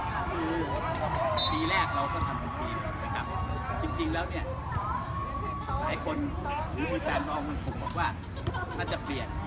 คือปีแรกเราก็ทำทุกทีนะครับจริงแล้วเนี่ยหลายคนหรือมีแฟนมองว่าจะเปลี่ยน